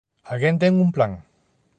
Alguén ten un plan?